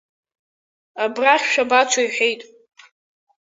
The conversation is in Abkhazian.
Абрахь шәабацо иҳәеит.